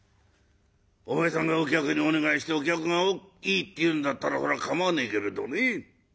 お前さんがお客にお願いしてお客がいいって言うんだったらそらかまわねえけれどね」。